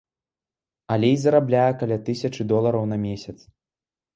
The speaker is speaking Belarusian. Але і зарабляе каля тысячы долараў на месяц.